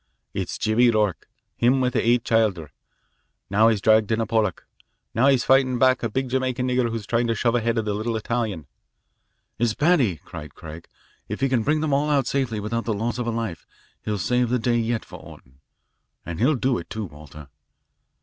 It's Jimmy Rourke, him with the eight childer. Now he's dragged in a Polack. Now he's fightin' back a big Jamaica nigger who's tryin' to shove ahead of a little Italian." "It's Paddy," cried Craig. "If he can bring them all out safely without the loss of a life he'll save the day yet for Orton. And he'll do it, too, Walter."